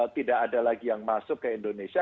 tidak ada lagi yang masuk ke indonesia